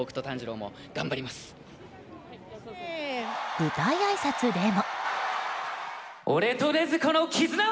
舞台あいさつでも。